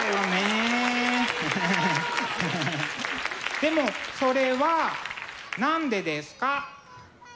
でもそれは何でですか？